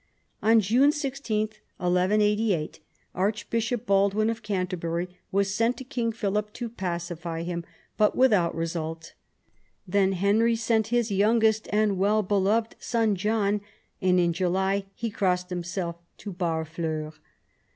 On June 16, 1188, Archbishop Baldwin of Canterbury was sent to King Philip to pacify him, but without result. Then Henry sent his youngest and well beloved son John, and in July he crossed himself to Barfleur.